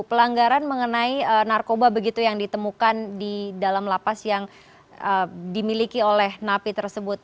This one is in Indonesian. pelanggaran mengenai narkoba begitu yang ditemukan di dalam lapas yang dimiliki oleh napi tersebut